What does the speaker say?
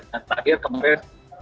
dan akhir akhir kemarin